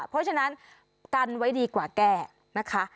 เพราะฉะนั้นกันไว้ดีกว่าแก้นะคะ